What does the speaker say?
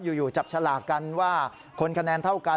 อยู่จับฉลากกันว่าคนคะแนนเท่ากัน